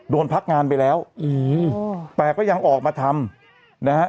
พักงานไปแล้วอืมแต่ก็ยังออกมาทำนะฮะ